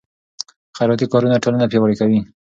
خیراتي کارونه ټولنه پیاوړې کوي.